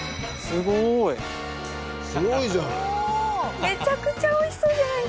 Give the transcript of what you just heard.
すごいじゃない。